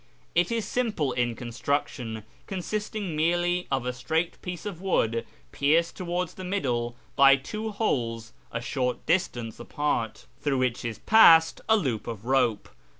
It is simple in construction, consisting merely of a straight piece of wood pierced towards the middle by two holes a short distance apart, through which is passed a loop of rope.